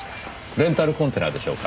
レンタルコンテナでしょうか？